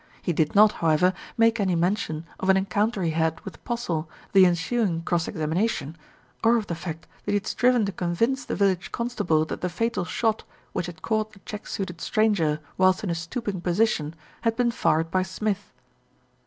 He did not, however, make any mention of an en counter he had with Postle, the ensuing cross examina tion, or of the fact that he had striven to convince the village constable that the fatal shot, which had caught the check suited stranger whilst in a stooping position, had been fired by Smith.